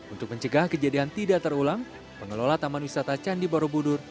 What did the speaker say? untuk mencegah kejadian tidak terulang pengelola taman wisata candi borobudur